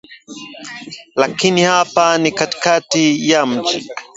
Lakini hapa ni katikati ya mji